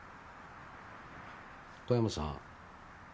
小山さん。